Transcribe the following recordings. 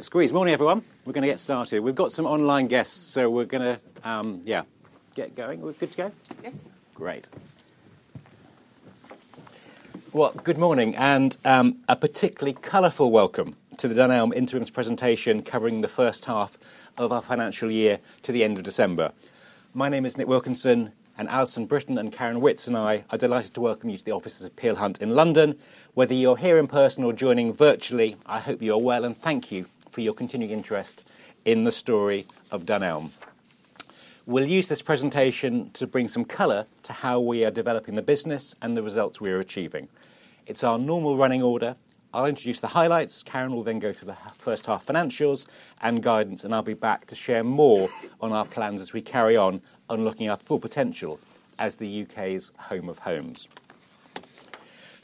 Squeeze. Morning, everyone. We're going to get started. We've got some online guests, so we're going to, yeah, get going. Are we good to go? Yes. Great. Good morning and a particularly colorful welcome to the Dunelm Interims presentation covering the first half of our financial year to the end of December. My name is Nick Wilkinson, and Alison Brittain and Karen Witts and I are delighted to welcome you to the offices of Peel Hunt in London. Whether you're here in person or joining virtually, I hope you are well, and thank you for your continued interest in the story of Dunelm. We'll use this presentation to bring some color to how we are developing the business and the results we are achieving. It's our normal running order. I'll introduce the highlights, Karen will then go through the first half financials and guidance, and I'll be back to share more on our plans as we carry on unlocking our full potential as the UK's home of homes.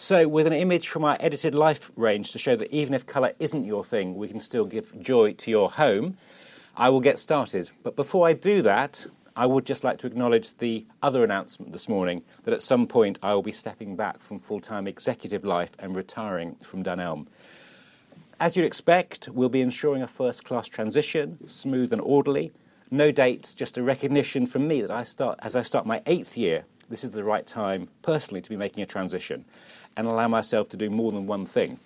So, with an image from our Edited Life range to show that even if color isn't your thing, we can still give joy to your home, I will get started. But before I do that, I would just like to acknowledge the other announcement this morning that at some point I will be stepping back from full-time executive life and retiring from Dunelm. As you'd expect, we'll be ensuring a first-class transition, smooth and orderly. No dates, just a recognition from me that as I start my eighth year, this is the right time personally to be making a transition and allow myself to do more than one thing,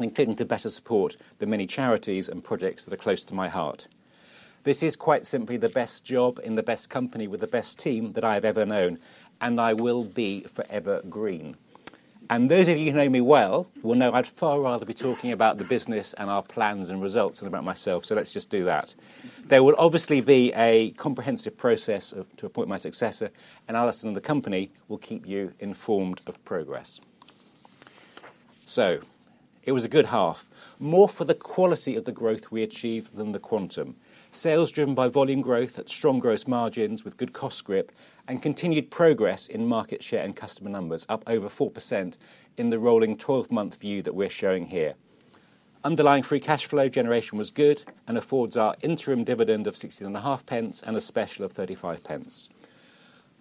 including to better support the many charities and projects that are close to my heart. This is quite simply the best job in the best company with the best team that I have ever known, and I will be forever green. Those of you who know me well will know I'd far rather be talking about the business and our plans and results than about myself, so let's just do that. There will obviously be a comprehensive process to appoint my successor, and Alison and the company will keep you informed of progress. It was a good half. More for the quality of the growth we achieve than the quantum. Sales driven by volume growth at strong gross margins with good cost grip and continued progress in market share and customer numbers, up over 4% in the rolling 12-month view that we're showing here. Underlying free cash flow generation was good and affords our interim dividend of 0.165 and a special of 0.35.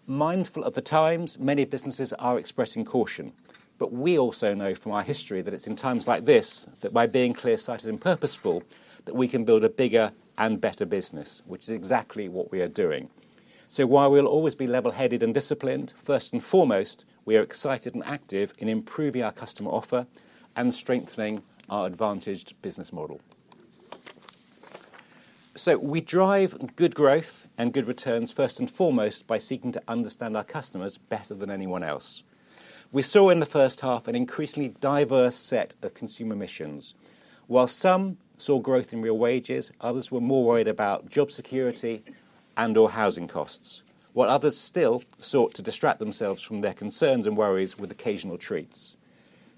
Mindful of the times, many businesses are expressing caution, but we also know from our history that it's in times like this that by being clear-sighted and purposeful that we can build a bigger and better business, which is exactly what we are doing. So while we'll always be level-headed and disciplined, first and foremost, we are excited and active in improving our customer offer and strengthening our advantaged business model. So we drive good growth and good returns first and foremost by seeking to understand our customers better than anyone else. We saw in the first half an increasingly diverse set of consumer missions. While some saw growth in real wages, others were more worried about job security and/or housing costs, while others still sought to distract themselves from their concerns and worries with occasional treats.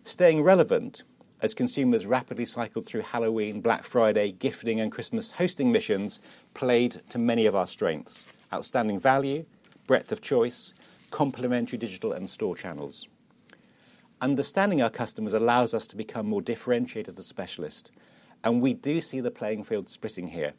Staying relevant as consumers rapidly cycled through Halloween, Black Friday, gifting, and Christmas hosting missions played to many of our strengths: outstanding value, breadth of choice, complementary digital and store channels. Understanding our customers allows us to become more differentiated as a specialist, and we do see the playing field splitting here.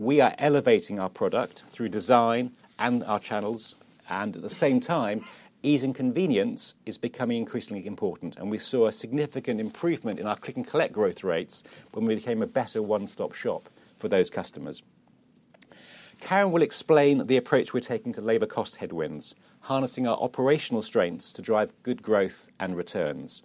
We are elevating our product through design and our channels, and at the same time, ease and convenience is becoming increasingly important, and we saw a significant improvement in our click-and-collect growth rates when we became a better one-stop shop for those customers. Karen will explain the approach we're taking to labor cost headwinds, harnessing our operational strengths to drive good growth and returns.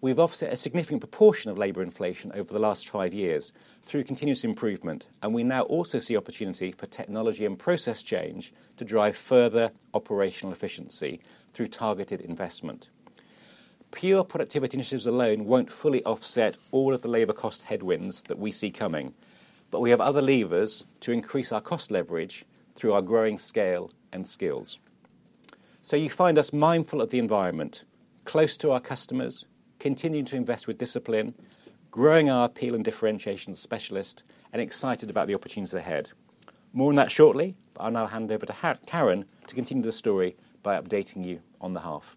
We've offset a significant proportion of labor inflation over the last five years through continuous improvement, and we now also see opportunity for technology and process change to drive further operational efficiency through targeted investment. Pure productivity initiatives alone won't fully offset all of the labor cost headwinds that we see coming, but we have other levers to increase our cost leverage through our growing scale and skills. So you find us mindful of the environment, close to our customers, continuing to invest with discipline, growing our appeal and differentiation as a specialist, and excited about the opportunities ahead. More on that shortly, but I'll now hand over to Karen to continue the story by updating you on the half.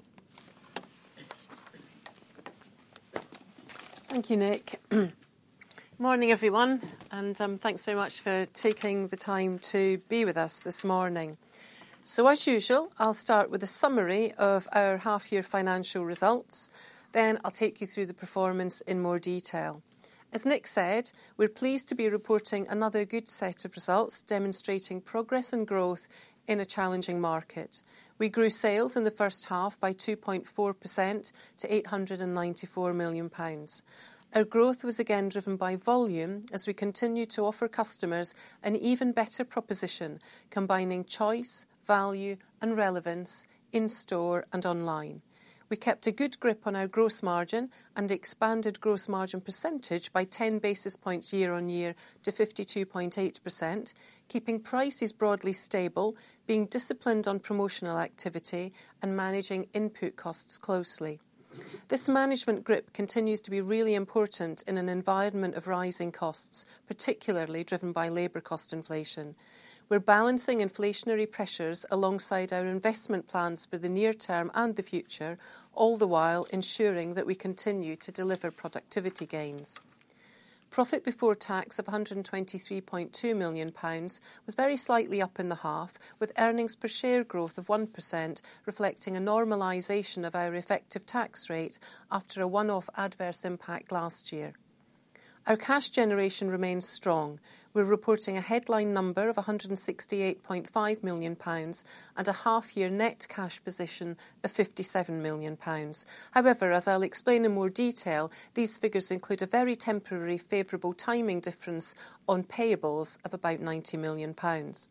Thank you, Nick. Morning, everyone, and thanks very much for taking the time to be with us this morning. So as usual, I'll start with a summary of our half-year financial results, then I'll take you through the performance in more detail. As Nick said, we're pleased to be reporting another good set of results demonstrating progress and growth in a challenging market. We grew sales in the first half by 2.4% to 894 million pounds. Our growth was again driven by volume as we continued to offer customers an even better proposition combining choice, value, and relevance in store and online. We kept a good grip on our gross margin and expanded gross margin percentage by 10 basis points year on year to 52.8%, keeping prices broadly stable, being disciplined on promotional activity, and managing input costs closely. This management grip continues to be really important in an environment of rising costs, particularly driven by labor cost inflation. We're balancing inflationary pressures alongside our investment plans for the near term and the future, all the while ensuring that we continue to deliver productivity gains. Profit before tax of GBP 123.2 million was very slightly up in the half, with earnings per share growth of 1% reflecting a normalization of our effective tax rate after a one-off adverse impact last year. Our cash generation remains strong. We're reporting a headline number of GBP 168.5 million and a half-year net cash position of GBP 57 million. However, as I'll explain in more detail, these figures include a very temporary favorable timing difference on payables of about 90 million pounds.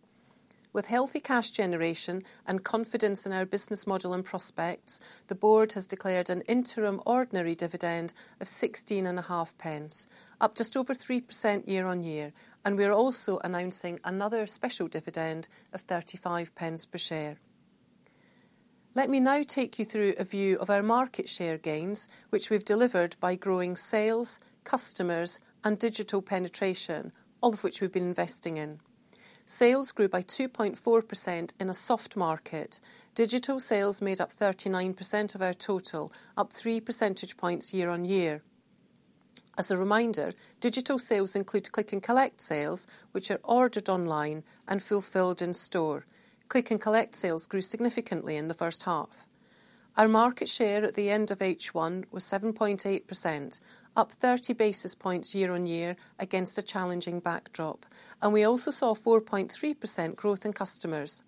With healthy cash generation and confidence in our business model and prospects, the board has declared an interim ordinary dividend of 0.165, up just over 3% year on year, and we're also announcing another special dividend of 0.35 per share. Let me now take you through a view of our market share gains, which we've delivered by growing sales, customers, and digital penetration, all of which we've been investing in. Sales grew by 2.4% in a soft market. Digital sales made up 39% of our total, up 3 percentage points year on year. As a reminder, digital sales include click-and-collect sales, which are ordered online and fulfilled in store. Click-and-collect sales grew significantly in the first half. Our market share at the end of H1 was 7.8%, up 30 basis points year on year against a challenging backdrop, and we also saw 4.3% growth in customers.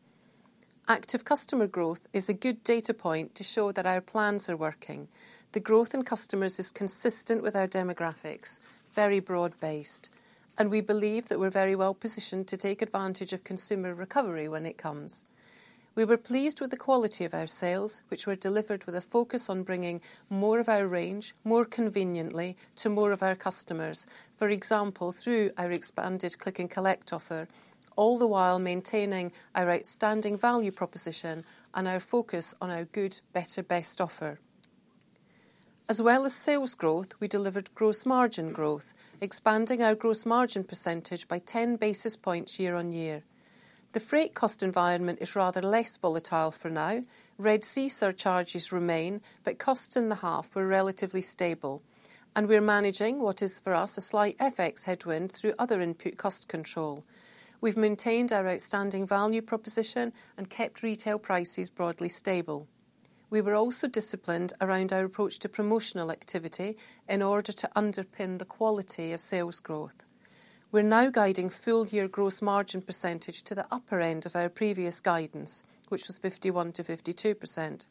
Active customer growth is a good data point to show that our plans are working. The growth in customers is consistent with our demographics, very broad-based, and we believe that we're very well positioned to take advantage of consumer recovery when it comes. We were pleased with the quality of our sales, which were delivered with a focus on bringing more of our range more conveniently to more of our customers, for example, through our expanded Click & Collect offer, all the while maintaining our outstanding value proposition and our focus on our Good, Better, Best offer. As well as sales growth, we delivered gross margin growth, expanding our gross margin percentage by 10 basis points year on year. The freight cost environment is rather less volatile for now. Red Sea surcharges remain, but costs in the half were relatively stable, and we're managing what is, for us, a slight FX headwind through other input cost control. We've maintained our outstanding value proposition and kept retail prices broadly stable. We were also disciplined around our approach to promotional activity in order to underpin the quality of sales growth. We're now guiding full-year gross margin percentage to the upper end of our previous guidance, which was 51%-52%.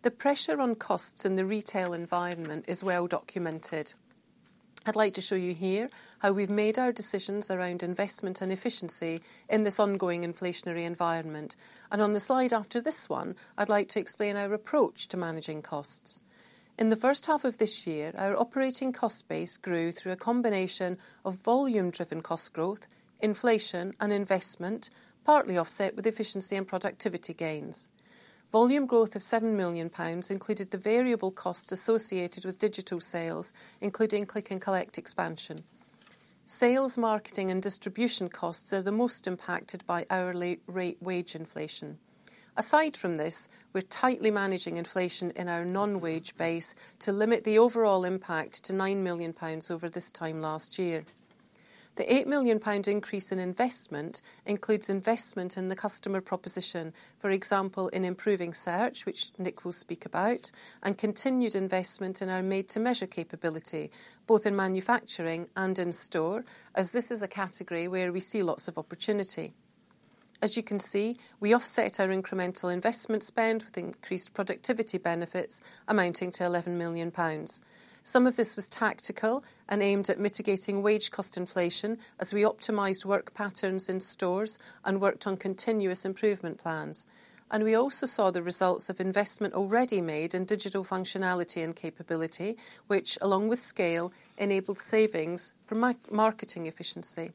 The pressure on costs in the retail environment is well documented. I'd like to show you here how we've made our decisions around investment and efficiency in this ongoing inflationary environment, and on the slide after this one, I'd like to explain our approach to managing costs. In the first half of this year, our operating cost base grew through a combination of volume-driven cost growth, inflation, and investment, partly offset with efficiency and productivity gains. Volume growth of 7 million pounds included the variable costs associated with digital sales, including Click & Collect expansion. Sales, marketing, and distribution costs are the most impacted by hourly rate wage inflation. Aside from this, we're tightly managing inflation in our non-wage base to limit the overall impact to 9 million pounds over this time last year. The 8 million pound increase in investment includes investment in the customer proposition, for example, in improving search, which Nick will speak about, and continued investment in our Made-to-Measure capability, both in manufacturing and in store, as this is a category where we see lots of opportunity. As you can see, we offset our incremental investment spend with increased productivity benefits amounting to 11 million pounds. Some of this was tactical and aimed at mitigating wage cost inflation as we optimized work patterns in stores and worked on continuous improvement plans, and we also saw the results of investment already made in digital functionality and capability, which, along with scale, enabled savings from marketing efficiency.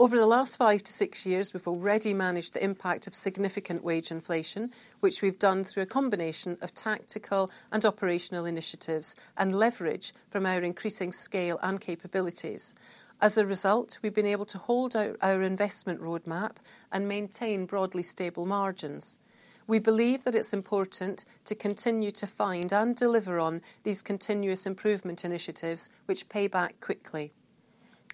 Over the last five-to-six years, we've already managed the impact of significant wage inflation, which we've done through a combination of tactical and operational initiatives and leverage from our increasing scale and capabilities. As a result, we've been able to hold out our investment roadmap and maintain broadly stable margins. We believe that it's important to continue to find and deliver on these continuous improvement initiatives, which pay back quickly.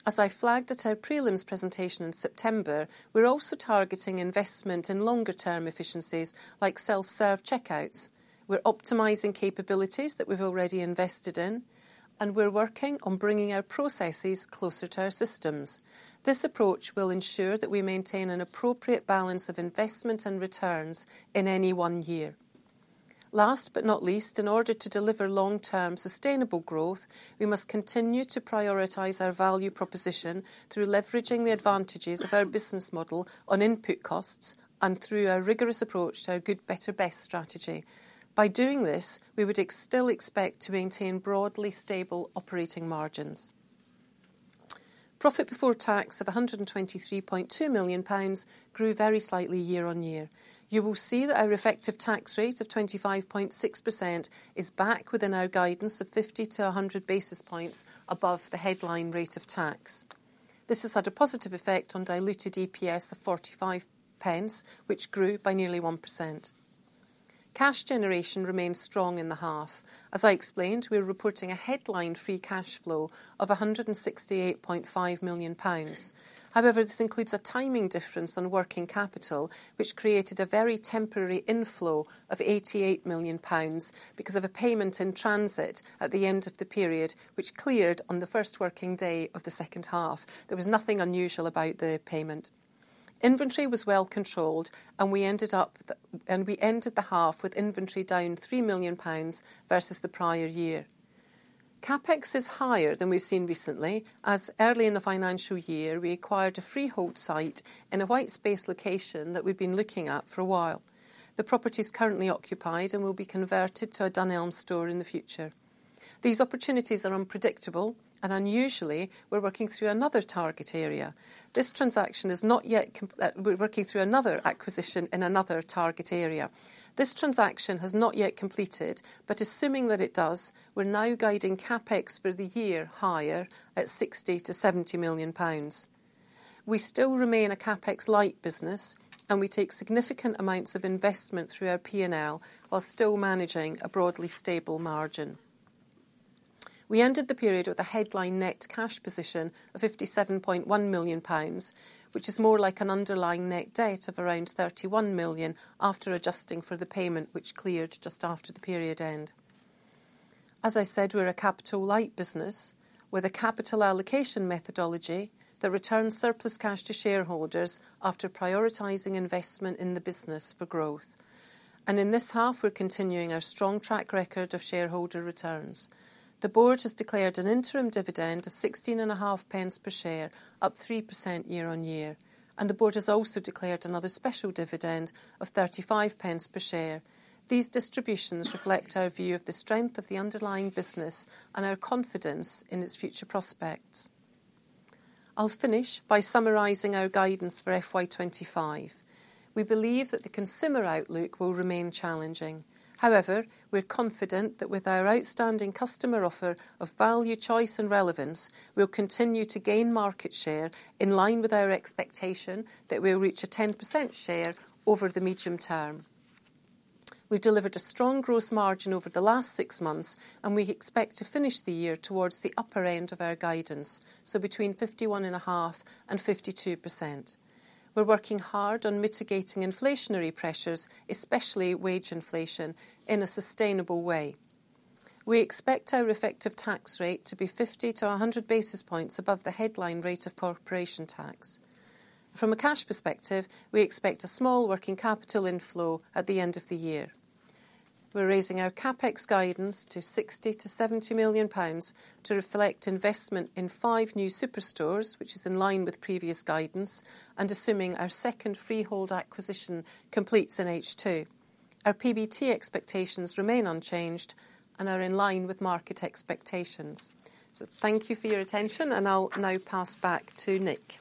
As I flagged at our prelims presentation in September, we're also targeting investment in longer-term efficiencies like self-serve checkouts. We're optimizing capabilities that we've already invested in, and we're working on bringing our processes closer to our systems. This approach will ensure that we maintain an appropriate balance of investment and returns in any one year. Last but not least, in order to deliver long-term sustainable growth, we must continue to prioritize our value proposition through leveraging the advantages of our business model on input costs and through our rigorous approach to our Good, Better, Best strategy. By doing this, we would still expect to maintain broadly stable operating margins. Profit before tax of 123.2 million pounds grew very slightly year on year. You will see that our effective tax rate of 25.6% is back within our guidance of 50-100 basis points above the headline rate of tax. This has had a positive effect on diluted EPS of 0.45, which grew by nearly 1%. Cash generation remains strong in the half. As I explained, we're reporting a headline free cash flow of £168.5 million. However, this includes a timing difference on working capital, which created a very temporary inflow of £88 million because of a payment in transit at the end of the period, which cleared on the first working day of the second half. There was nothing unusual about the payment. Inventory was well controlled, and we ended the half with inventory down £3 million versus the prior year. CapEx is higher than we've seen recently, as early in the financial year we acquired a freehold site in a white space location that we've been looking at for a while. The property is currently occupied and will be converted to a Dunelm store in the future. These opportunities are unpredictable, and unusually, we're working through another target area. This transaction is not yet working through another acquisition in another target area. This transaction has not yet completed, but assuming that it does, we're now guiding CapEx for the year higher at £60-£70 million. We still remain a CapEx light business, and we take significant amounts of investment through our P&L while still managing a broadly stable margin. We ended the period with a headline net cash position of £57.1 million, which is more like an underlying net debt of around £31 million after adjusting for the payment which cleared just after the period end. As I said, we're a capital light business with a capital allocation methodology that returns surplus cash to shareholders after prioritizing investment in the business for growth, and in this half, we're continuing our strong track record of shareholder returns. The board has declared an interim dividend of 0.165 per share, up 3% year on year, and the board has also declared another special dividend of 0.35 per share. These distributions reflect our view of the strength of the underlying business and our confidence in its future prospects. I'll finish by summarizing our guidance for FY25. We believe that the consumer outlook will remain challenging. However, we're confident that with our outstanding customer offer of value, choice, and relevance, we'll continue to gain market share in line with our expectation that we'll reach a 10% share over the medium term. We've delivered a strong gross margin over the last six months, and we expect to finish the year towards the upper end of our guidance, so between 51.5% and 52%. We're working hard on mitigating inflationary pressures, especially wage inflation, in a sustainable way. We expect our effective tax rate to be 50-100 basis points above the headline rate of corporation tax. From a cash perspective, we expect a small working capital inflow at the end of the year. We're raising our CapEx guidance to 60-70 million pounds to reflect investment in five new superstores, which is in line with previous guidance, and assuming our second freehold acquisition completes in H2. Our PBT expectations remain unchanged and are in line with market expectations. Thank you for your attention, and I'll now pass back to Nick.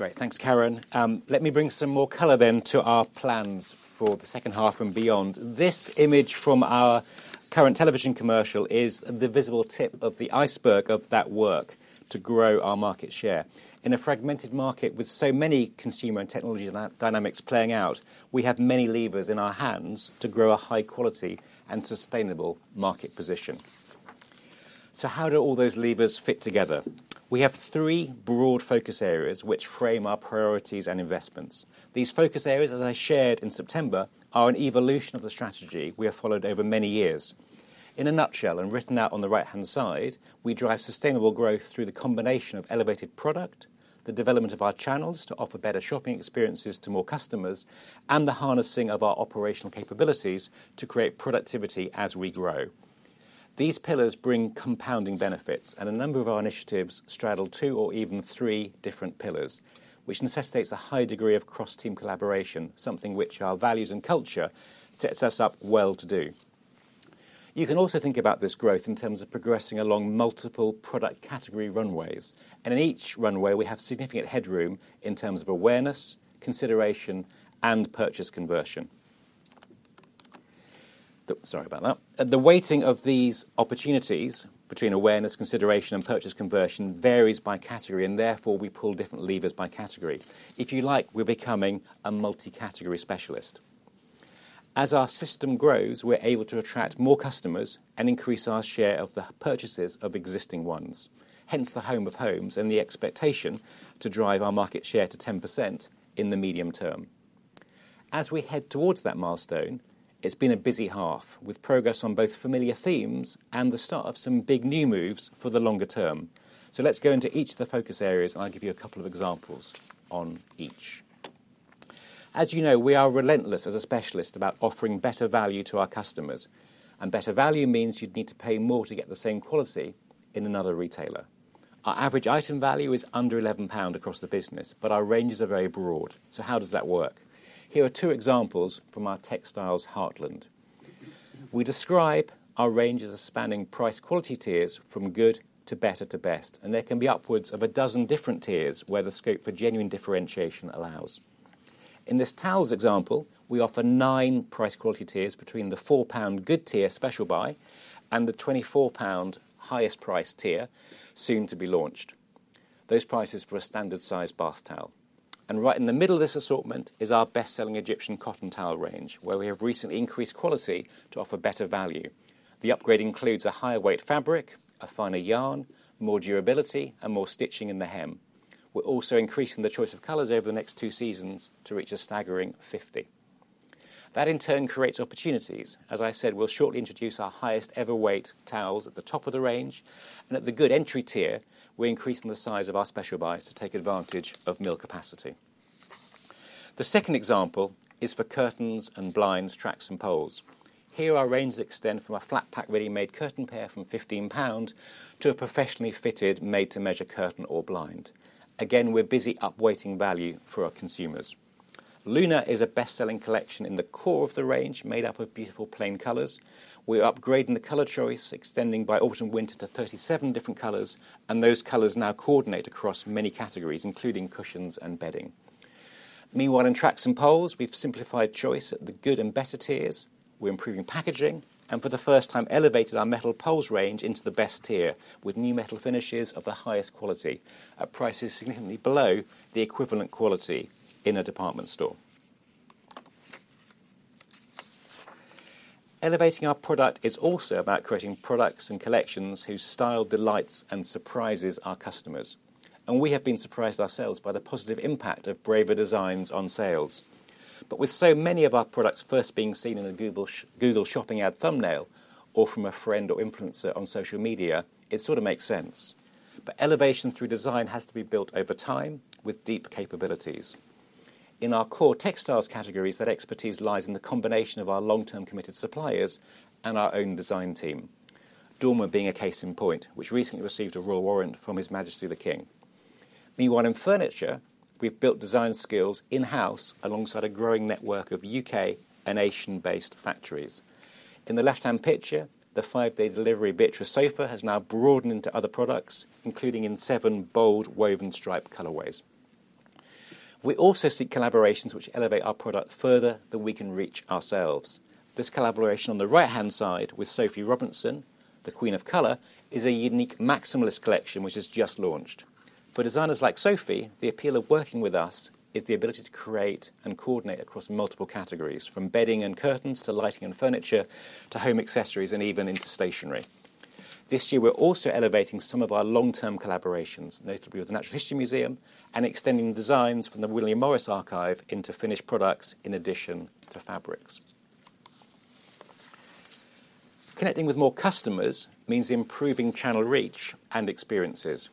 Great. Thanks, Karen. Let me bring some more color then to our plans for the second half and beyond. This image from our current television commercial is the visible tip of the iceberg of that work to grow our market share. In a fragmented market with so many consumer and technology dynamics playing out, we have many levers in our hands to grow a high-quality and sustainable market position. So how do all those levers fit together? We have three broad focus areas which frame our priorities and investments. These focus areas, as I shared in September, are an evolution of the strategy we have followed over many years. In a nutshell, and written out on the right-hand side, we drive sustainable growth through the combination of elevated product, the development of our channels to offer better shopping experiences to more customers, and the harnessing of our operational capabilities to create productivity as we grow. These pillars bring compounding benefits, and a number of our initiatives straddle two or even three different pillars, which necessitates a high degree of cross-team collaboration, something which our values and culture sets us up well to do. You can also think about this growth in terms of progressing along multiple product category runways, and in each runway, we have significant headroom in terms of awareness, consideration, and purchase conversion. Sorry about that. The weighting of these opportunities between awareness, consideration, and purchase conversion varies by category, and therefore we pull different levers by category. If you like, we're becoming a multi-category specialist. As our system grows, we're able to attract more customers and increase our share of the purchases of existing ones, hence the Home of Homes and the expectation to drive our market share to 10% in the medium term. As we head towards that milestone, it's been a busy half with progress on both familiar themes and the start of some big new moves for the longer term. So let's go into each of the focus areas, and I'll give you a couple of examples on each. As you know, we are relentless as a specialist about offering better value to our customers, and better value means you'd need to pay more to get the same quality in another retailer. Our average item value is under £11 across the business, but our ranges are very broad. So how does that work? Here are two examples from our textiles heartland. We describe our ranges as spanning price-quality tiers from good to better to best, and there can be upwards of a dozen different tiers where the scope for genuine differentiation allows. In this towels example, we offer nine price-quality tiers between the 4 pound good tier special buy and the 24 pound highest price tier soon to be launched. Those prices for a standard size bath towel. And right in the middle of this assortment is our best-selling Egyptian cotton towel range, where we have recently increased quality to offer better value. The upgrade includes a higher weight fabric, a finer yarn, more durability, and more stitching in the hem. We're also increasing the choice of colors over the next two seasons to reach a staggering 50. That, in turn, creates opportunities. As I said, we'll shortly introduce our highest ever weight towels at the top of the range, and at the good entry tier, we're increasing the size of our special buys to take advantage of mill capacity. The second example is for curtains and blinds, tracks, and poles. Here, our ranges extend from a flat pack ready-made curtain pair from £15 to a professionally fitted made-to-measure curtain or blind. Again, we're busy upweighting value for our consumers. LUNA is a best-selling collection in the core of the range made up of beautiful plain colors. We're upgrading the color choice, extending by autumn/winter to 37 different colors, and those colors now coordinate across many categories, including cushions and bedding. Meanwhile, in tracks and poles, we've simplified choice at the good and better tiers. We're improving packaging and, for the first time, elevated our metal poles range into the best tier with new metal finishes of the highest quality at prices significantly below the equivalent quality in a department store. Elevating our product is also about creating products and collections whose style delights and surprises our customers, and we have been surprised ourselves by the positive impact of braver designs on sales. But with so many of our products first being seen in a Google Shopping ad thumbnail or from a friend or influencer on social media, it sort of makes sense. But elevation through design has to be built over time with deep capabilities. In our core textiles categories, that expertise lies in the combination of our long-term committed suppliers and our own design team, Dorma being a case in point, which recently received a royal warrant from His Majesty the King. Meanwhile, in furniture, we've built design skills in-house alongside a growing network of U.K. and Asian-based factories. In the left-hand picture, the five-day delivery bit for sofa has now broadened into other products, including in seven bold woven stripe colorways. We also seek collaborations which elevate our product further than we can reach ourselves. This collaboration on the right-hand side with Sophie Robinson, the Queen of Colour, is a unique maximalist collection which has just launched. For designers like Sophie, the appeal of working with us is the ability to create and coordinate across multiple categories, from bedding and curtains to lighting and furniture to home accessories and even into stationery. This year, we're also elevating some of our long-term collaborations, notably with the Natural History Museum and extending designs from the William Morris Archive into finished products in addition to fabrics. Connecting with more customers means improving channel reach and experiences.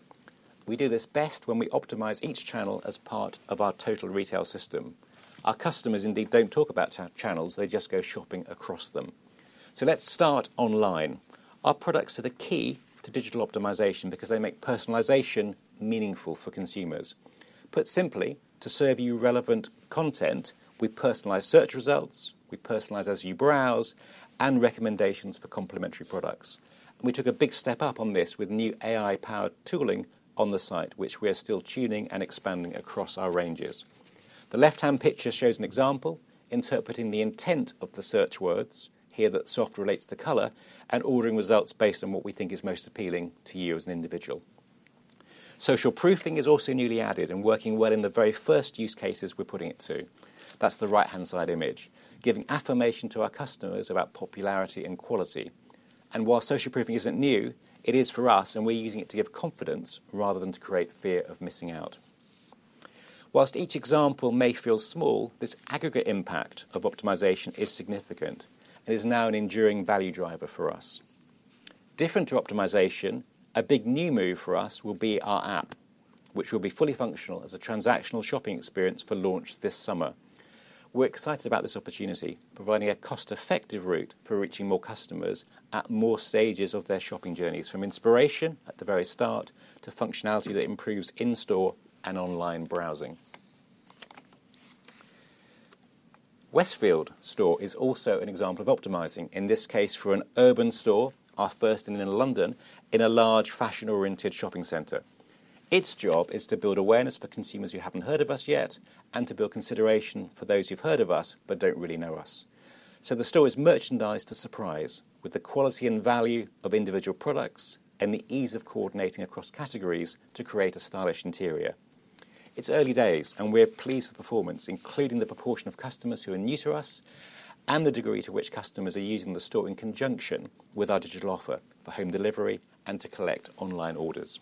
We do this best when we optimize each channel as part of our total retail system. Our customers indeed don't talk about our channels; they just go shopping across them. So let's start online. Our products are the key to digital optimization because they make personalization meaningful for consumers. Put simply, to serve you relevant content, we personalize search results, we personalize as you browse, and recommendations for complementary products. We took a big step up on this with new AI-powered tooling on the site, which we are still tuning and expanding across our ranges. The left-hand picture shows an example interpreting the intent of the search words here that soft relates to color and ordering results based on what we think is most appealing to you as an individual. Social proofing is also newly added and working well in the very first use cases we're putting it to. That's the right-hand side image, giving affirmation to our customers about popularity and quality. And while social proofing isn't new, it is for us, and we're using it to give confidence rather than to create fear of missing out. While each example may feel small, this aggregate impact of optimization is significant and is now an enduring value driver for us. Different to optimization, a big new move for us will be our app, which will be fully functional as a transactional shopping experience for launch this summer. We're excited about this opportunity, providing a cost-effective route for reaching more customers at more stages of their shopping journeys, from inspiration at the very start to functionality that improves in-store and online browsing. Westfield store is also an example of optimizing, in this case for an urban store, our first in London, in a large fashion-oriented shopping center. Its job is to build awareness for consumers who haven't heard of us yet and to build consideration for those who've heard of us but don't really know us. So the store is merchandised to surprise with the quality and value of individual products and the ease of coordinating across categories to create a stylish interior. It's early days, and we're pleased with performance, including the proportion of customers who are new to us and the degree to which customers are using the store in conjunction with our digital offer for home delivery and to collect online orders.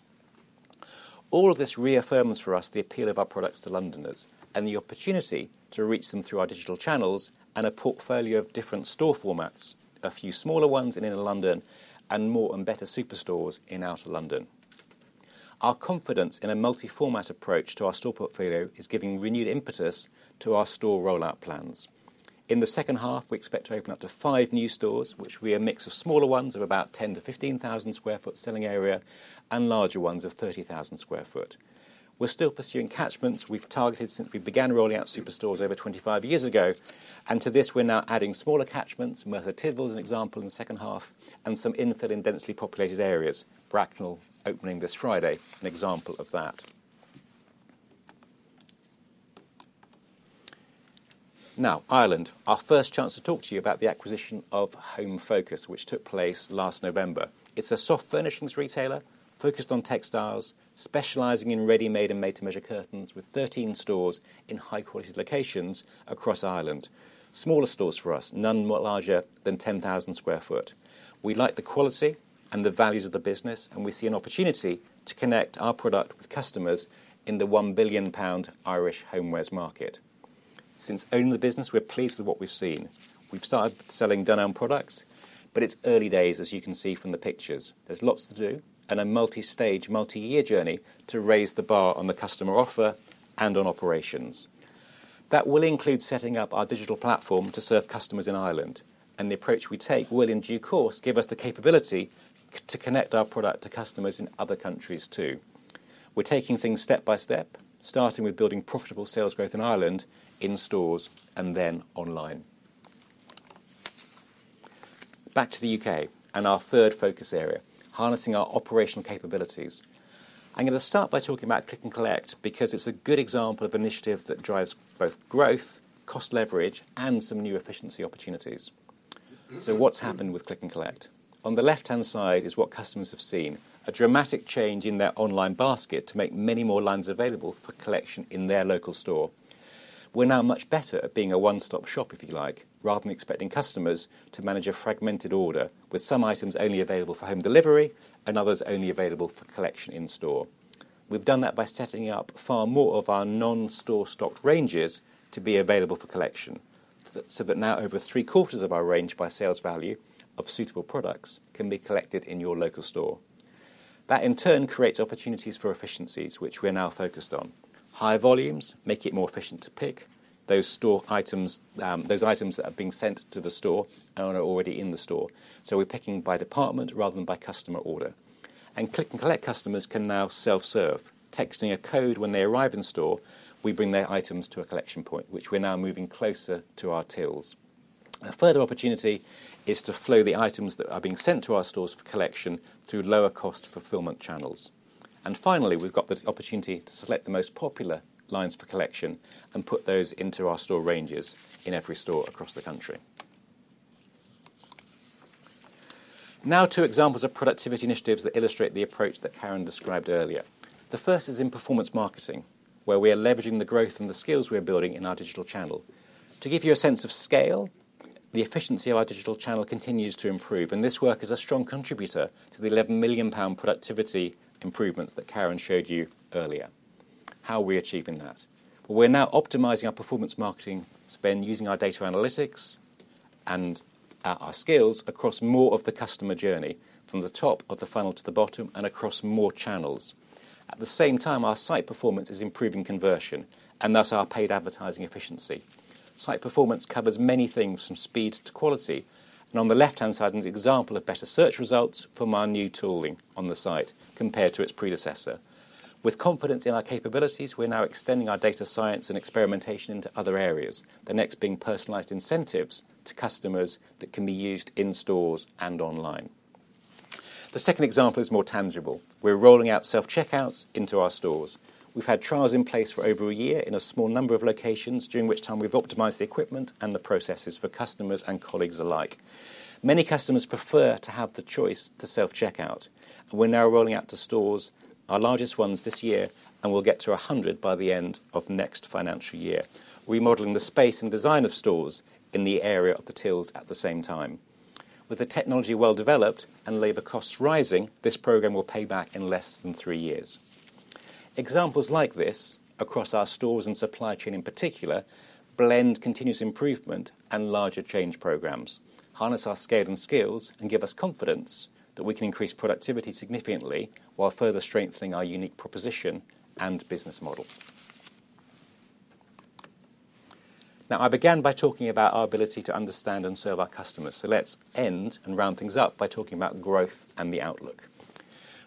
All of this reaffirms for us the appeal of our products to Londoners and the opportunity to reach them through our digital channels and a portfolio of different store formats, a few smaller ones in inner London and more and better superstores in outer London. Our confidence in a multi-format approach to our store portfolio is giving renewed impetus to our store rollout plans. In the second half, we expect to open up to five new stores, which will be a mix of smaller ones of about 10,000 to 15,000 sq ft selling area and larger ones of 30,000 sq ft. We're still pursuing catchments we've targeted since we began rolling out superstores over 25 years ago, and to this, we're now adding smaller catchments, Merthyr Tydfil as an example in the second half, and some infill in densely populated areas. Bracknell opening this Friday, an example of that. Now, Ireland, our first chance to talk to you about the acquisition of Home Focus, which took place last November. It's a soft furnishings retailer focused on textiles, specializing in ready-made and made-to-measure curtains with 13 stores in high-quality locations across Ireland. Smaller stores for us, none larger than 10,000 sq ft. We like the quality and the values of the business, and we see an opportunity to connect our product with customers in the 1 billion pound Irish homewares market. Since owning the business, we're pleased with what we've seen. We've started selling Dunelm products, but it's early days, as you can see from the pictures. There's lots to do and a multi-stage, multi-year journey to raise the bar on the customer offer and on operations. That will include setting up our digital platform to serve customers in Ireland, and the approach we take will, in due course, give us the capability to connect our product to customers in other countries too. We're taking things step by step, starting with building profitable sales growth in Ireland in stores and then online. Back to the UK and our third focus area, harnessing our operational capabilities. I'm going to start by talking about Click & Collect because it's a good example of an initiative that drives both growth, cost leverage, and some new efficiency opportunities. So what's happened with Click & Collect? On the left-hand side is what customers have seen: a dramatic change in their online basket to make many more lines available for collection in their local store. We're now much better at being a one-stop shop, if you like, rather than expecting customers to manage a fragmented order with some items only available for home delivery and others only available for collection in store. We've done that by setting up far more of our non-store stocked ranges to be available for collection so that now over three-quarters of our range by sales value of suitable products can be collected in your local store. That, in turn, creates opportunities for efficiencies, which we're now focused on. High volumes make it more efficient to pick those store items that are being sent to the store and are already in the store, so we're picking by department rather than by customer order, and Click & Collect customers can now self-serve, texting a code when they arrive in store. We bring their items to a collection point, which we're now moving closer to our tills. A further opportunity is to flow the items that are being sent to our stores for collection through lower-cost fulfilment channels. Finally, we've got the opportunity to select the most popular lines for collection and put those into our store ranges in every store across the country. Now, two examples of productivity initiatives that illustrate the approach that Karen described earlier. The first is in performance marketing, where we are leveraging the growth and the skills we are building in our digital channel. To give you a sense of scale, the efficiency of our digital channel continues to improve, and this work is a strong contributor to the 11 million pound productivity improvements that Karen showed you earlier. How are we achieving that? We're now optimizing our performance marketing spend using our data analytics and our skills across more of the customer journey from the top of the funnel to the bottom and across more channels. At the same time, our site performance is improving conversion and thus our paid advertising efficiency. Site performance covers many things, from speed to quality. And on the left-hand side is an example of better search results from our new tooling on the site compared to its predecessor. With confidence in our capabilities, we're now extending our data science and experimentation into other areas, the next being personalized incentives to customers that can be used in stores and online. The second example is more tangible. We're rolling out self-checkouts into our stores. We've had trials in place for over a year in a small number of locations, during which time we've optimized the equipment and the processes for customers and colleagues alike. Many customers prefer to have the choice to self-checkout. We're now rolling out to stores, our largest ones this year, and we'll get to 100 by the end of next financial year, remodeling the space and design of stores in the area of the tills at the same time. With the technology well developed and labor costs rising, this program will pay back in less than three years. Examples like this across our stores and supply chain in particular blend continuous improvement and larger change programs, harness our scale and skills, and give us confidence that we can increase productivity significantly while further strengthening our unique proposition and business model. Now, I began by talking about our ability to understand and serve our customers, so let's end and round things up by talking about growth and the outlook.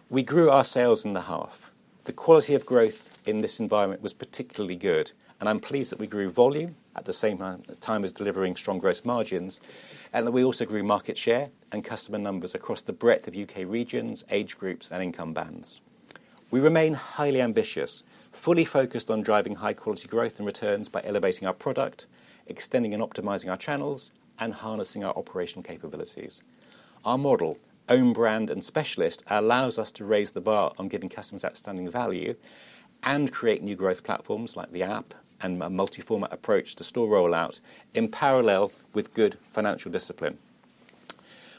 We grew our sales in the half. The quality of growth in this environment was particularly good, and I'm pleased that we grew volume at the same time as delivering strong gross margins and that we also grew market share and customer numbers across the breadth of UK regions, age groups, and income bands. We remain highly ambitious, fully focused on driving high-quality growth and returns by elevating our product, extending and optimizing our channels, and harnessing our operational capabilities. Our model, own brand and specialist, allows us to raise the bar on giving customers outstanding value and create new growth platforms like the app and a multi-format approach to store rollout in parallel with good financial discipline.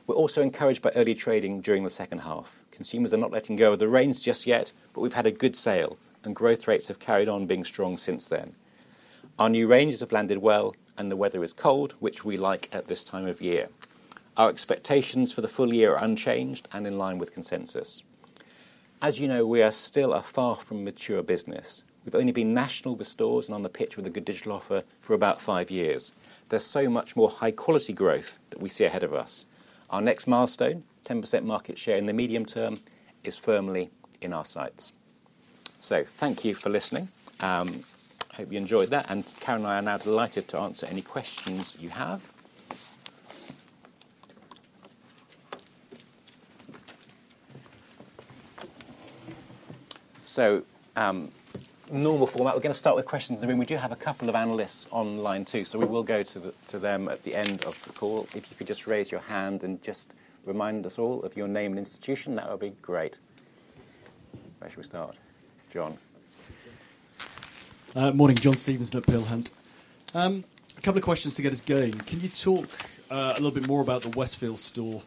We're also encouraged by early trading during the second half. Consumers are not letting go of the range just yet, but we've had a good sale, and growth rates have carried on being strong since then. Our new ranges have landed well, and the weather is cold, which we like at this time of year. Our expectations for the full year are unchanged and in line with consensus. As you know, we are still a far from mature business. We've only been national with stores and on the pitch with a good digital offer for about five years. There's so much more high-quality growth that we see ahead of us. Our next milestone, 10% market share in the medium term, is firmly in our sights. So thank you for listening. I hope you enjoyed that, and Karen and I are now delighted to answer any questions you have. So normal format, we're going to start with questions, and then we do have a couple of analysts online too, so we will go to them at the end of the call. If you could just raise your hand and just remind us all of your name and institution, that would be great. Where should we start? John. Morning, John Stevenson at Peel Hunt, a couple of questions to get us going. Can you talk a little bit more about the Westfield store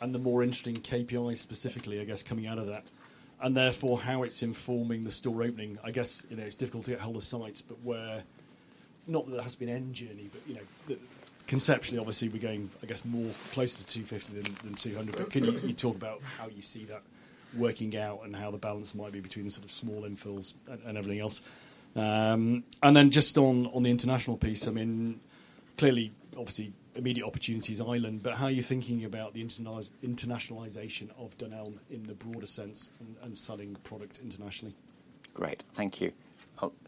and the more interesting KPIs specifically, I guess, coming out of that, and therefore how it's informing the store opening? I guess it's difficult to get hold of sites, but we're not at the end of the journey, but conceptually, obviously, we're going, I guess, more closer to 250 than 200. But can you talk about how you see that working out and how the balance might be between the sort of small infills and everything else? And then just on the international piece, I mean, clearly, obviously, immediate opportunity is Ireland, but how are you thinking about the internationalization of Dunelm in the broader sense and selling product internationally? Great, thank you.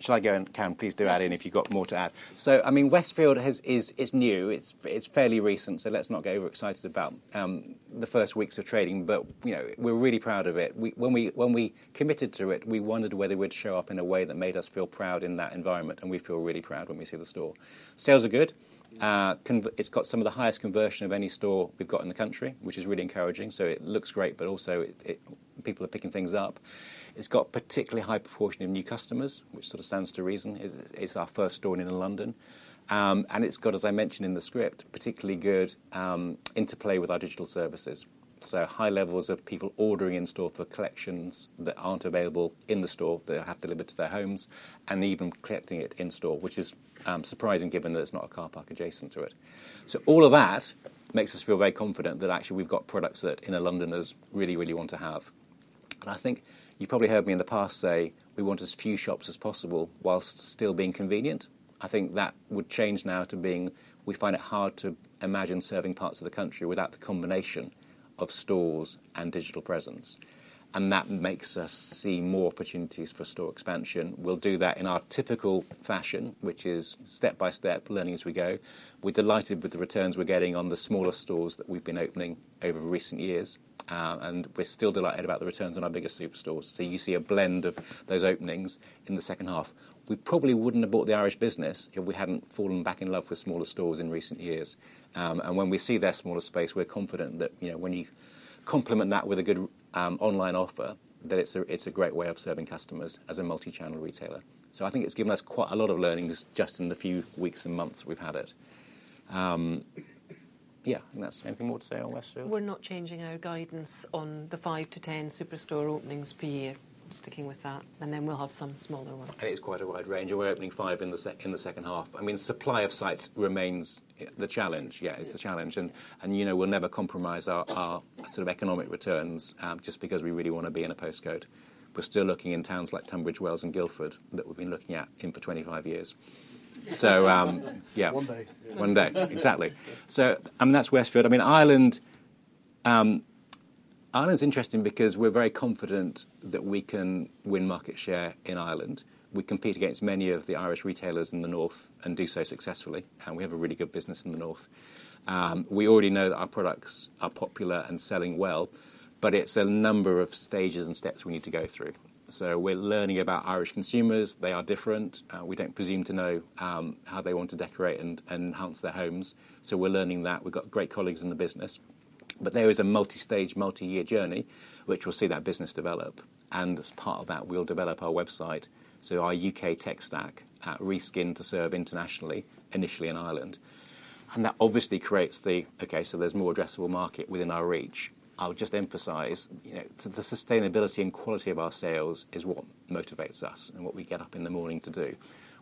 Shall I go and Karen, please do add in if you've got more to add. So, I mean, Westfield is new. It's fairly recent, so let's not get over-excited about the first weeks of trading, but we're really proud of it. When we committed to it, we wondered whether we'd show up in a way that made us feel proud in that environment, and we feel really proud when we see the store. Sales are good. It's got some of the highest conversion of any store we've got in the country, which is really encouraging. So it looks great, but also people are picking things up. It's got a particularly high proportion of new customers, which sort of stands to reason. It's our first store in London. And it's got, as I mentioned in the script, particularly good interplay with our digital services. So high levels of people ordering in store for collections that aren't available in the store that have to deliver to their homes and even collecting it in store, which is surprising given that it's not a car park adjacent to it. So all of that makes us feel very confident that actually we've got products that inner Londoners really, really want to have. And I think you've probably heard me in the past say we want as few shops as possible whilst still being convenient. I think that would change now to being, "We find it hard to imagine serving parts of the country without the combination of stores and digital presence. And that makes us see more opportunities for store expansion. We'll do that in our typical fashion, which is step by step, learning as we go. We're delighted with the returns we're getting on the smaller stores that we've been opening over recent years, and we're still delighted about the returns on our biggest superstores. So you see a blend of those openings in the second half. We probably wouldn't have bought the Irish business if we hadn't fallen back in love with smaller stores in recent years. And when we see their smaller space, we're confident that when you complement that with a good online offer, that it's a great way of serving customers as a multi-channel retailer. So I think it's given us quite a lot of learnings just in the few weeks and months we've had it. Yeah, is there anything more to say on Westfield? We're not changing our guidance on the 5-10 superstore openings per year. Sticking with that, and then we'll have some smaller ones. It's quite a wide range. We're opening five in the second half. I mean, supply of sites remains the challenge. Yeah, it's a challenge. We'll never compromise our sort of economic returns just because we really want to be in a postcode. We're still looking in towns like Tunbridge Wells and Guildford that we've been looking at for 25 years. So yeah. One day. One day, exactly. And that's Westfield. I mean, Ireland's interesting because we're very confident that we can win market share in Ireland. We compete against many of the Irish retailers in the north and do so successfully, and we have a really good business in the north. We already know that our products are popular and selling well, but it's a number of stages and steps we need to go through. So we're learning about Irish consumers. They are different. We don't presume to know how they want to decorate and enhance their homes. So we're learning that. We've got great colleagues in the business. But there is a multi-stage, multi-year journey which will see that business develop. And as part of that, we'll develop our website. So our UK tech stack reskin to serve internationally, initially in Ireland. And that obviously creates the, okay, so there's more addressable market within our reach. I'll just emphasize the sustainability and quality of our sales is what motivates us and what we get up in the morning to do.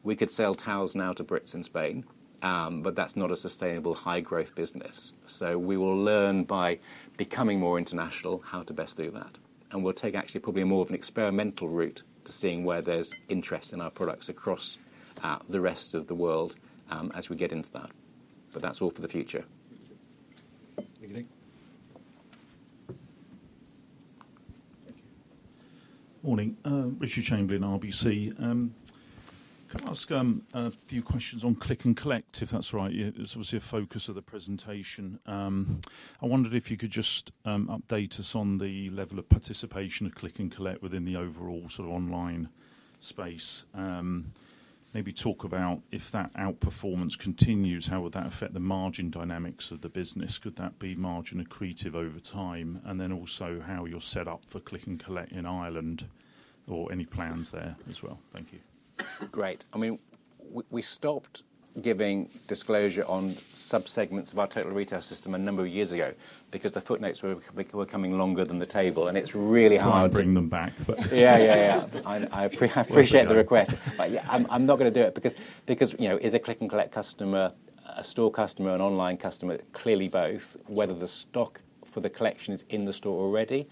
We could sell towels now to Brits in Spain, but that's not a sustainable high-growth business. So we will learn by becoming more international how to best do that. And we'll take actually probably more of an experimental route to seeing where there's interest in our products across the rest of the world as we get into that. But that's all for the future. Thank you. Morning, Richard Chamberlain, RBC. Can I ask a few questions on Click & Collect, if that's right? It's obviously a focus of the presentation. I wondered if you could just update us on the level of participation of Click & Collect within the overall sort of online space. Maybe talk about if that outperformance continues, how would that affect the margin dynamics of the business? Could that be margin accretive over time? And then also how you're set up for Click & Collect in Ireland or any plans there as well. Thank you. Great. I mean, we stopped giving disclosure on subsegments of our total retail system a number of years ago because the footnotes were becoming longer than the table, and it's really hard. I'll bring them back. Yeah, yeah, yeah. I appreciate the request, but I'm not going to do it because a Click & Collect customer is a store customer, an online customer, clearly both, whether the stock for the collection is in the store already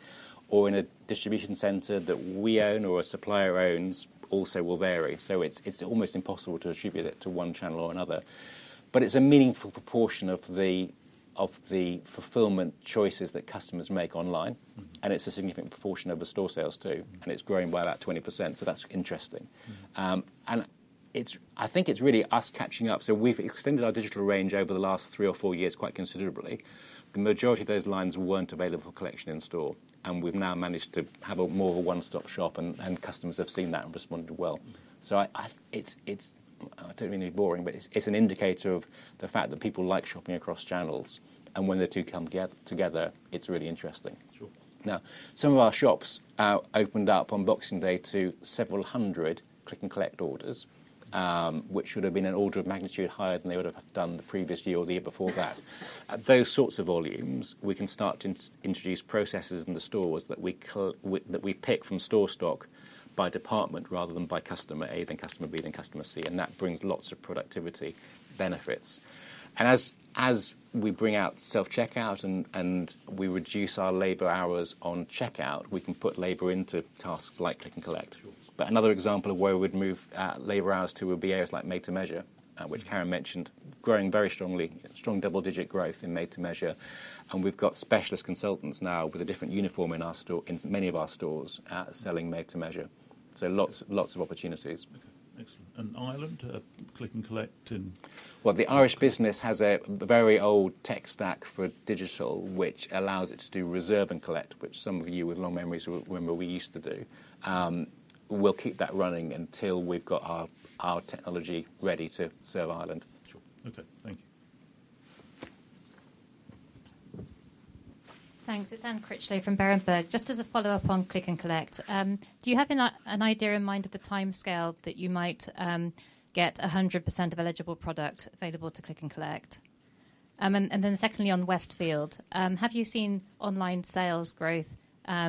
or in a distribution center that we own or a supplier owns also will vary. So it's almost impossible to attribute it to one channel or another. But it's a meaningful proportion of the fulfillment choices that customers make online, and it's a significant proportion of the store sales too, and it's growing by about 20%. So that's interesting, and I think it's really us catching up. So we've extended our digital range over the last three or four years quite considerably. The majority of those lines weren't available for collection in store, and we've now managed to have more of a one-stop shop, and customers have seen that and responded well. So I don't mean to be boring, but it's an indicator of the fact that people like shopping across channels, and when the two come together, it's really interesting. Now, some of our shops opened up on Boxing Day to several hundred Click & Collect orders, which would have been an order of magnitude higher than they would have done the previous year or the year before that. Those sorts of volumes, we can start to introduce processes in the stores that we pick from store stock by department rather than by customer A, then customer B, then customer C, and that brings lots of productivity benefits. And as we bring out self-checkout and we reduce our labor hours on checkout, we can put labor into tasks like Click & Collect. But another example of where we'd move labor hours to would be areas like Made-to-Measure, which Karen mentioned, growing very strongly, strong double-digit growth in Made-to-Measure. And we've got specialist consultants now with a different uniform in many of our stores selling Made-to-Measure. So lots of opportunities. Excellent. And Ireland, Click & Collect? Well, the Irish business has a very old tech stack for digital, which allows it to do Reserve and Collect, which some of you with long memories will remember we used to do. We'll keep that running until we've got our technology ready to serve Ireland. Okay, thank you. Thanks. It's Ann Critchley from Berenberg. Just as a follow-up on Click & Collect, do you have an idea in mind of the time scale that you might get 100% of eligible product available to Click & Collect? And then secondly, on Westfield, have you seen online sales growth sort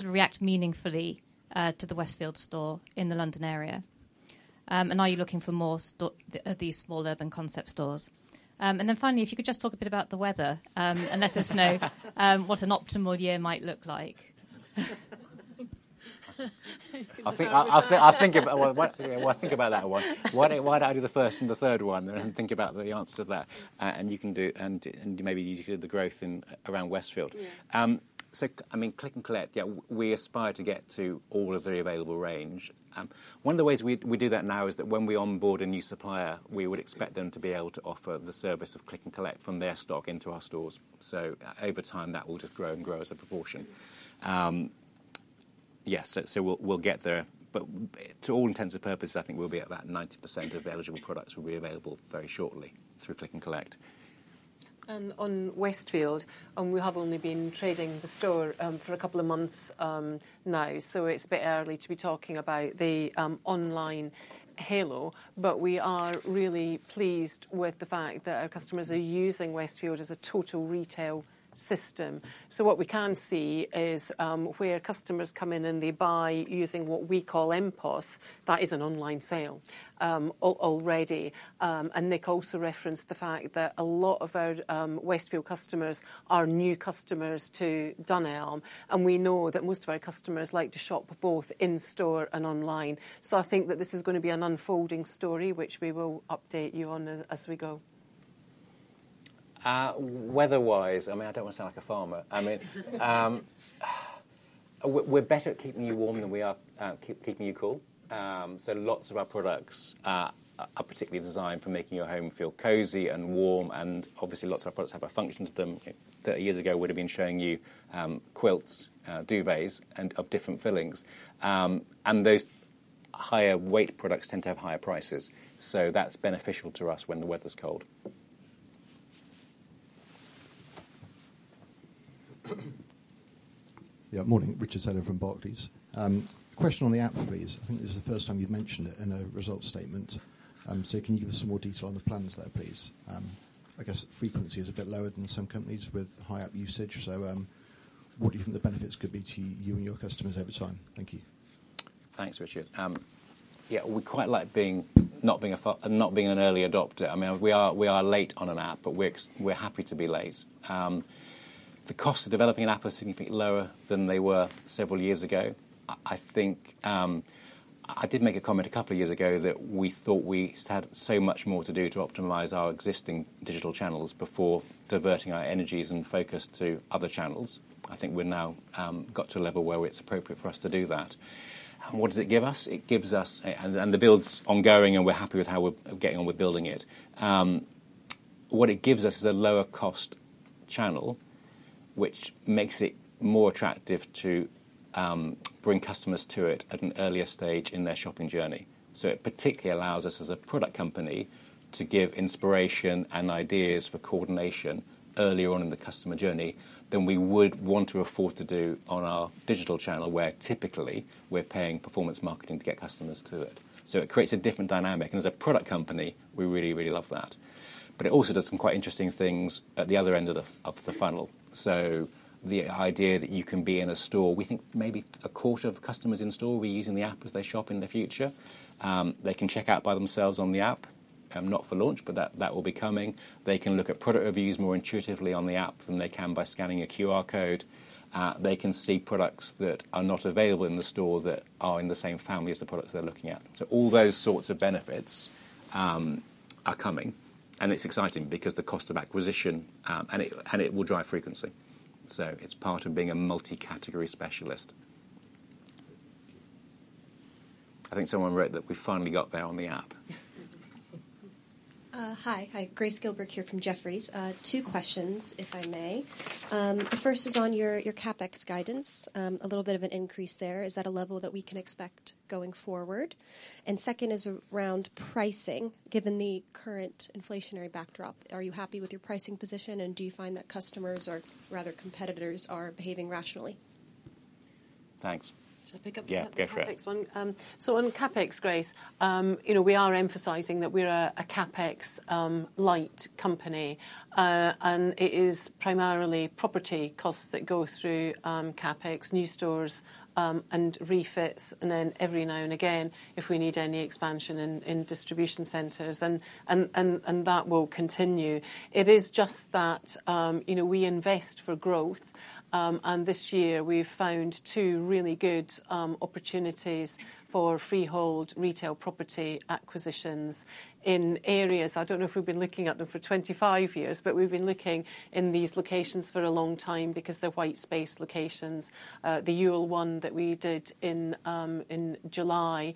of react meaningfully to the Westfield store in the London area? And are you looking for more of these small urban concept stores? And then finally, if you could just talk a bit about the weather and let us know what an optimal year might look like? I think about that one. Why don't I do the first and the third one and think about the answer to that? And you can do, and maybe you could do the growth around Westfield. So, I mean, Click & Collect. Yeah, we aspire to get to all of the available range. One of the ways we do that now is that when we onboard a new supplier, we would expect them to be able to offer the service of Click & Collect from their stock into our stores. So over time, that will just grow and grow as a proportion. Yes, so we'll get there. But to all intents and purposes, I think we'll be at that 90% of eligible products will be available very shortly through Click & Collect. And on Westfield, we have only been trading the store for a couple of months now, so it's a bit early to be talking about the online halo, but we are really pleased with the fact that our customers are using Westfield as a total retail system. So what we can see is where customers come in and they buy using what we call MPOS, that is an online sale already. And Nick also referenced the fact that a lot of our Westfield customers are new customers to Dunelm, and we know that most of our customers like to shop both in store and online. So I think that this is going to be an unfolding story, which we will update you on as we go. Weather-wise, I mean, I don't want to sound like a farmer. I mean, we're better at keeping you warm than we are at keeping you cool. So lots of our products are particularly designed for making your home feel cozy and warm, and obviously lots of our products have a function to them. 30 years ago, we would have been showing you quilts, duvets, and of different fillings. Those higher weight products tend to have higher prices. So that's beneficial to us when the weather's cold. Yeah, Morning, Richard Sellman from Barclays. Question on the app, please. I think this is the first time you've mentioned it in a results statement. So can you give us some more detail on the plans there, please? I guess frequency is a bit lower than some companies with high app usage. So what do you think the benefits could be to you and your customers over time? Thank you. Thanks, Richard. Yeah, we quite like not being an early adopter. I mean, we are late on an app, but we're happy to be late. The cost of developing an app is significantly lower than they were several years ago. I think I did make a comment a couple of years ago that we thought we had so much more to do to optimize our existing digital channels before diverting our energies and focus to other channels. I think we've now got to a level where it's appropriate for us to do that, and what does it give us? It gives us, and the build's ongoing, and we're happy with how we're getting on with building it. What it gives us is a lower-cost channel, which makes it more attractive to bring customers to it at an earlier stage in their shopping journey, so it particularly allows us as a product company to give inspiration and ideas for coordination earlier on in the customer journey than we would want to afford to do on our digital channel where typically we're paying performance marketing to get customers to it. So it creates a different dynamic. And as a product company, we really, really love that. But it also does some quite interesting things at the other end of the funnel. So the idea that you can be in a store, we think maybe a quarter of customers in store will be using the app as they shop in the future. They can check out by themselves on the app, not for launch, but that will be coming. They can look at product reviews more intuitively on the app than they can by scanning a QR code. They can see products that are not available in the store that are in the same family as the products they're looking at. So all those sorts of benefits are coming. And it's exciting because the cost of acquisition, and it will drive frequency. So it's part of being a multi-category specialist. I think someone wrote that we finally got there on the app. Hi, Grace Gilbert here from Jefferies. Two questions, if I may. The first is on your CapEx guidance, a little bit of an increase there. Is that a level that we can expect going forward? And second is around pricing, given the current inflationary backdrop. Are you happy with your pricing position, and do you find that customers or rather competitors are behaving rationally? Thanks. Should I pick up? Yeah, go for it. So on CapEx, Grace, we are emphasizing that we're a CapEx light company, and it is primarily property costs that go through CapEx, new stores and refits, and then every now and again, if we need any expansion in distribution centres, and that will continue. It is just that we invest for growth, and this year we've found two really good opportunities for freehold retail property acquisitions in areas. I don't know if we've been looking at them for 25 years, but we've been looking in these locations for a long time because they're white space locations. The Ewell one that we did in July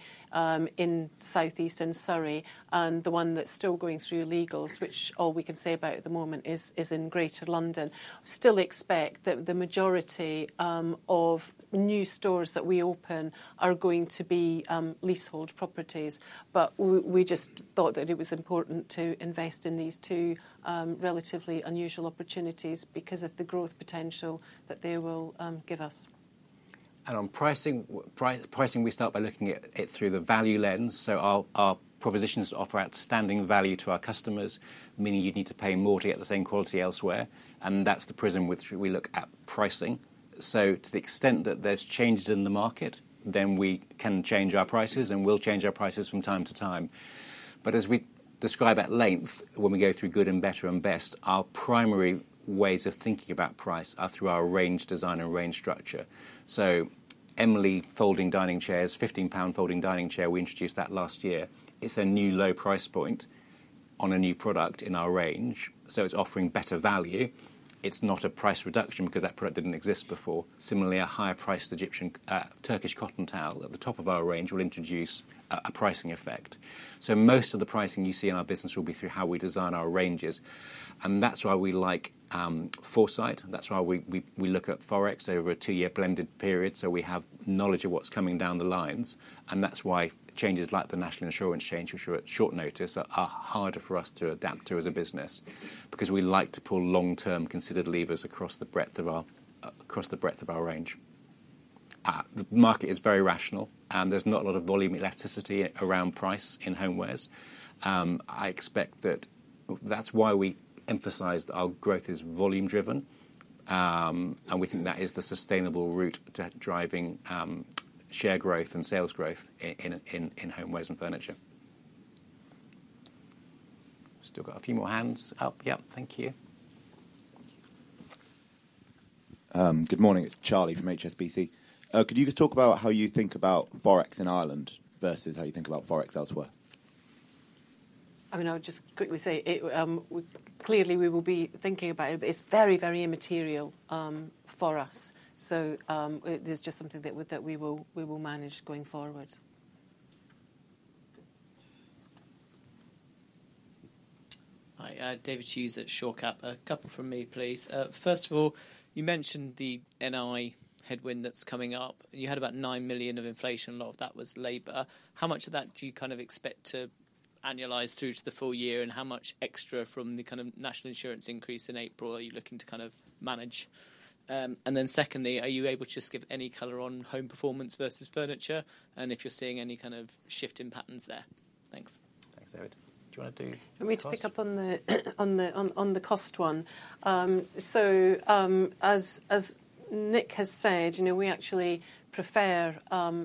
in South East in Surrey, and the one that's still going through legals, which all we can say about at the moment is in Greater London. We still expect that the majority of new stores that we open are going to be leasehold properties, but we just thought that it was important to invest in these two relatively unusual opportunities because of the growth potential that they will give us. And on pricing, we start by looking at it through the value lens. Our propositions offer outstanding value to our customers, meaning you need to pay more to get the same quality elsewhere. And that's the prism with which we look at pricing. So to the extent that there's changes in the market, then we can change our prices and we'll change our prices from time to time. But as we describe at length when we go through Good, Better, and Best, our primary ways of thinking about price are through our range design and range structure. So Emily Folding Dining Chair, £15 folding dining chair, we introduced that last year. It's a new low price point on a new product in our range. So it's offering better value. It's not a price reduction because that product didn't exist before. Similarly, a higher priced Turkish cotton towel at the top of our range will introduce a pricing effect. Most of the pricing you see in our business will be through how we design our ranges. And that's why we like foresight. That's why we look at forex over a two-year blended period. So we have knowledge of what's coming down the lines. And that's why changes like the National Insurance change, which are at short notice, are harder for us to adapt to as a business because we like to pull long-term considered levers across the breadth of our range. The market is very rational, and there's not a lot of volume elasticity around price in homewares. I expect that that's why we emphasize that our growth is volume-driven, and we think that is the sustainable route to driving share growth and sales growth in homewares and furniture. Still got a few more hands up. Yep, thank you. Good morning, it's Charlie from HSBC. Could you just talk about how you think about forex in Ireland versus how you think about forex elsewhere? I mean, I'll just quickly say, clearly we will be thinking about it. It's very, very immaterial for us. So it is just something that we will manage going forward. Hi, David Hughes at Shore Capital. A couple from me, please. First of all, you mentioned the NI headwind that's coming up. You had about nine million of inflation. A lot of that was labor. How much of that do you kind of expect to annualize through to the full year, and how much extra from the kind of national insurance increase in April are you looking to kind of manage? And then secondly, are you able to just give any color on home performance versus furniture, and if you're seeing any kind of shift in patterns there? Thanks. Thanks, David. I mean, to pick up on the cost one, so as Nick has said, we actually prefer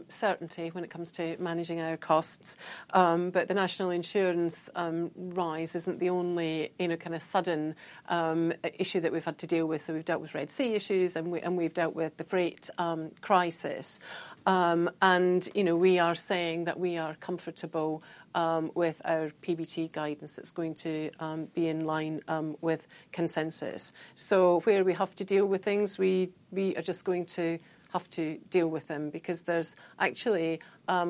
certainty when it comes to managing our costs, but the National Insurance rise isn't the only kind of sudden issue that we've had to deal with, so we've dealt with Red Sea issues, and we've dealt with the freight crisis, and we are saying that we are comfortable with our PBT guidance that's going to be in line with consensus, so where we have to deal with things, we are just going to have to deal with them because there's actually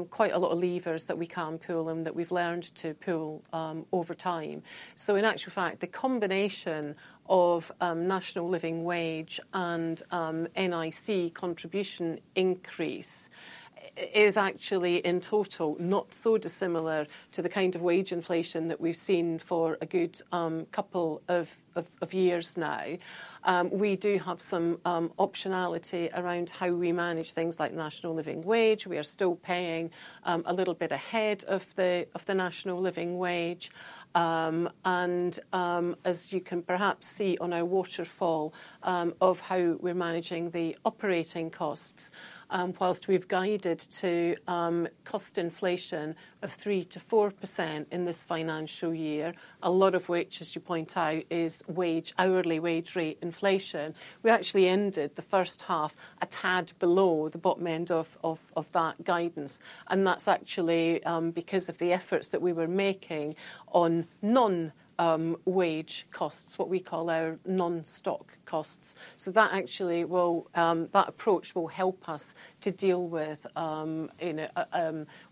quite a lot of levers that we can pull and that we've learned to pull over time. So in actual fact, the combination of National Living Wage and NIC contribution increase is actually in total not so dissimilar to the kind of wage inflation that we've seen for a good couple of years now. We do have some optionality around how we manage things like National Living Wage. We are still paying a little bit ahead of the National Living Wage. And as you can perhaps see on our waterfall of how we're managing the operating costs, while we've guided to cost inflation of 3%-4% in this financial year, a lot of which, as you point out, is hourly wage rate inflation. We actually ended the first half a tad below the bottom end of that guidance. And that's actually because of the efforts that we were making on non-wage costs, what we call our non-stock costs. So that approach will help us to deal with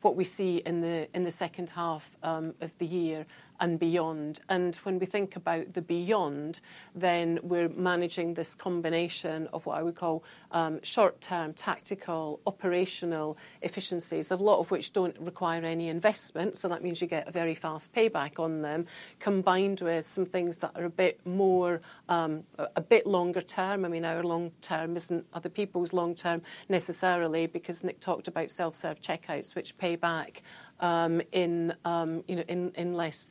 what we see in the second half of the year and beyond. And when we think about the beyond, then we're managing this combination of what I would call short-term tactical operational efficiencies, a lot of which don't require any investment. So that means you get a very fast payback on them, combined with some things that are a bit longer term. I mean, our long term isn't other people's long term necessarily because Nick talked about self-serve checkouts, which pay back in less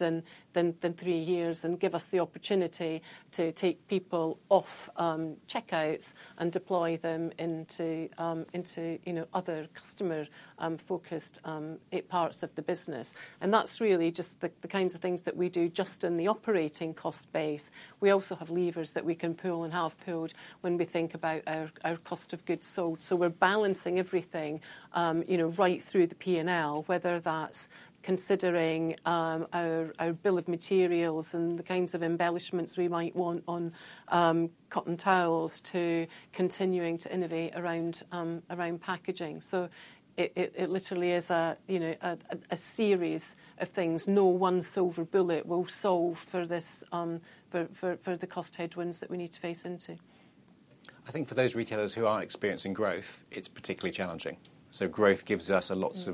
than three years and give us the opportunity to take people off checkouts and deploy them into other customer-focused parts of the business. And that's really just the kinds of things that we do just in the operating cost base. We also have levers that we can pull and have pulled when we think about our cost of goods sold. So we're balancing everything right through the P&L, whether that's considering our bill of materials and the kinds of embellishments we might want on cotton towels to continuing to innovate around packaging. So it literally is a series of things. No one silver bullet will solve for the cost headwinds that we need to face into. I think for those retailers who are experiencing growth, it's particularly challenging. So growth gives us lots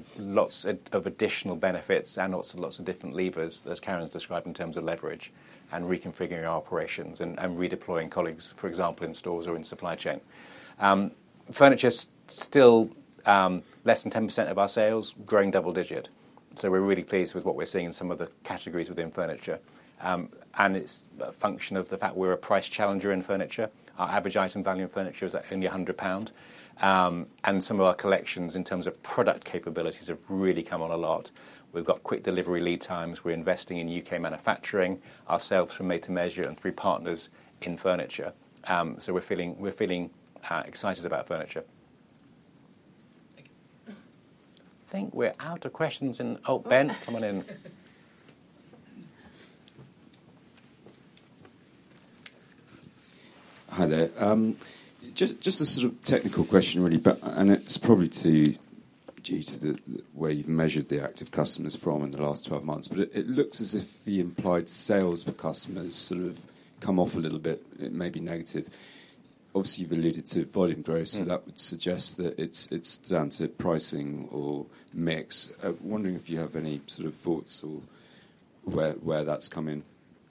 of additional benefits and lots and lots of different levers as Karen's described in terms of leverage and reconfiguring our operations and redeploying colleagues, for example, in stores or in supply chain. Furniture's still less than 10% of our sales, growing double-digit. So we're really pleased with what we're seeing in some of the categories within furniture. It's a function of the fact we're a price challenger in furniture. Our average item value in furniture is only 100 pound. Some of our collections in terms of product capabilities have really come on a lot. We've got quick delivery lead times. We're investing in U.K. manufacturing, ourselves from Made-to-Measure and through partners in furniture. So we're feeling excited about furniture. Thank you. I think we're out of questions. Oh, Ben, come on in. Hi there. Just a sort of technical question, really, and it's probably due to where you've measured the active customers from in the last 12 months, but it looks as if the implied sales for customers sort of come off a little bit. It may be negative. Obviously, you've alluded to volume growth, so that would suggest that it's down to pricing or mix. I'm wondering if you have any sort of thoughts or where that's coming?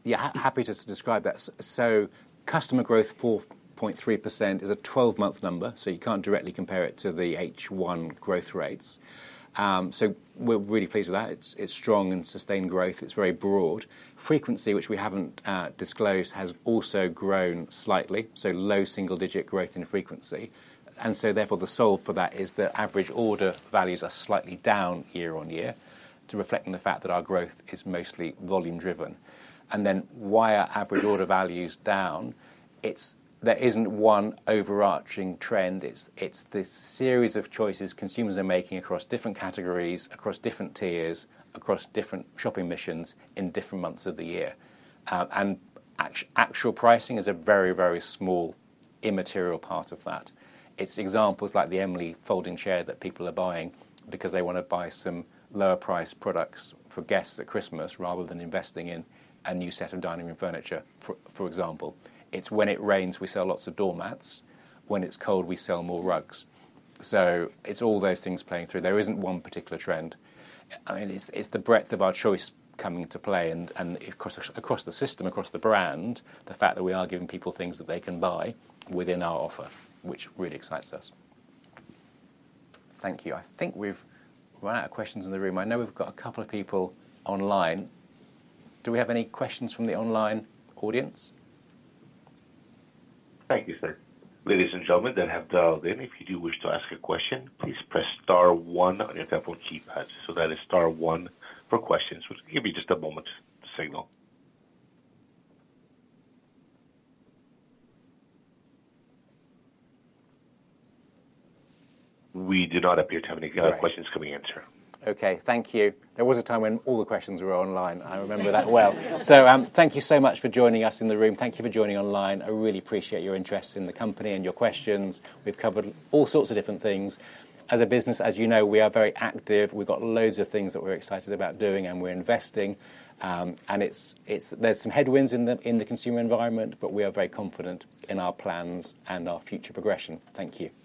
Yeah, happy to describe that. So customer growth, 4.3%, is a 12-month number, so you can't directly compare it to the H1 growth rates. So we're really pleased with that. It's strong and sustained growth. It's very broad. Frequency, which we haven't disclosed, has also grown slightly. So low single-digit growth in frequency. And so therefore, the solve for that is that average order values are slightly down year on year to reflect on the fact that our growth is mostly volume-driven. And then why are average order values down? There isn't one overarching trend. It's the series of choices consumers are making across different categories, across different tiers, across different shopping missions in different months of the year. And actual pricing is a very, very small immaterial part of that. It's examples like the Emily Folding Chair that people are buying because they want to buy some lower-priced products for guests at Christmas rather than investing in a new set of dining room furniture, for example. It's when it rains, we sell lots of doormats. When it's cold, we sell more rugs. So it's all those things playing through. There isn't one particular trend. I mean, it's the breadth of our choice coming to play, and across the system, across the brand, the fact that we are giving people things that they can buy within our offer, which really excites us. Thank you. I think we've run out of questions in the room. I know we've got a couple of people online. Do we have any questions from the online audience? Thank you, sir. Ladies and gentlemen that have dialed in. If you do wish to ask a question, please press star one on your telephone keypad. So that is star one for questions, which will give you just a moment to signal. We do not appear to have any further questions coming in, sir. Okay, thank you. There was a time when all the questions were online. I remember that well. So thank you so much for joining us in the room. Thank you for joining online. I really appreciate your interest in the company and your questions. We've covered all sorts of different things. As a business, as you know, we are very active. We've got loads of things that we're excited about doing, and we're investing, and there's some headwinds in the consumer environment, but we are very confident in our plans and our future progression. Thank you.